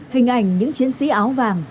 hình ảnh những chiến sĩ áo vàng